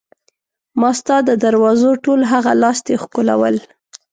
ما ستا د دروازو ټول هغه لاستي ښکلول.